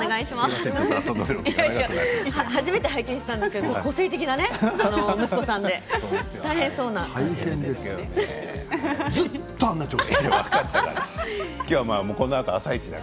初めて拝見したんですが個性的な息子さんで大変そうだ。